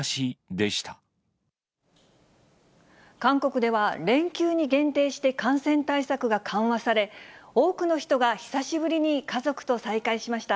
韓国では、連休に限定して感染対策が緩和され、多くの人が久しぶりに家族と再会しました。